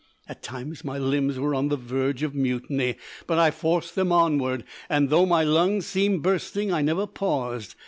At times my limbs were on the verge of mutiny, but I forced them onward, and though my lungs seemed bursting, I never paused.